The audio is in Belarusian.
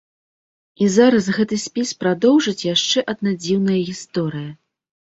І зараз гэты спіс прадоўжыць яшчэ адна дзіўная гісторыя.